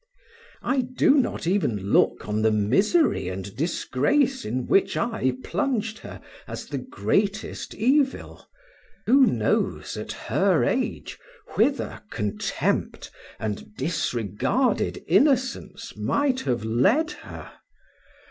I do not even look on the misery and disgrace in which I plunged her as the greatest evil: who knows, at her age, whither contempt and disregarded innocence might have led her?